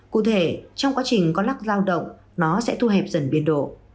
cụ thể trong quá trình có lắc giao động nó sẽ thu hẹp dần biên độ